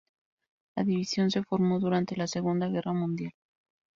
La división se formó durante la Segunda Guerra Mundial.